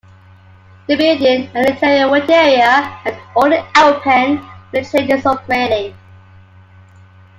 The building and interior waiting area are only open when the train is operating.